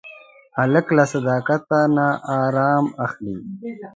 هلک له صداقت نه ارام اخلي.